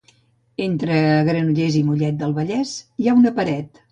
Entre Granollers i Mollet del Vallès hi ha una paret.